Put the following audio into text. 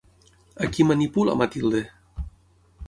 A qui manipula Matilde?